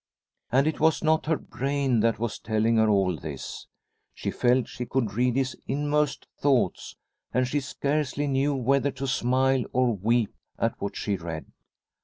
And it was not her brain that was telling her all this. She felt she could read his inmost thoughts and she scarcely knew whether to smile or weep at what she read.